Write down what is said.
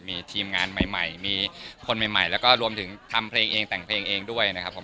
มีทีมงานใหม่มีคนใหม่แล้วก็รวมถึงทำเพลงเองแต่งเพลงเองด้วยนะครับผม